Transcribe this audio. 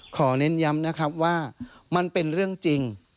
เน้นย้ำนะครับว่ามันเป็นเรื่องจริง